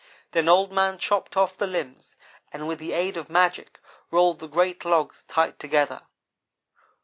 Then Old man chopped off the limbs, and with the aid of magic rolled the great logs tight together.